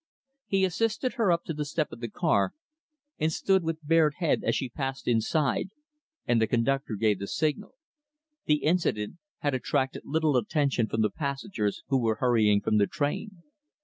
He assisted her up the step of the car, and stood with bared head as she passed inside, and the conductor gave the signal. The incident had attracted little attention from the passengers who were hurrying from the train.